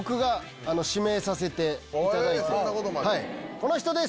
この人です！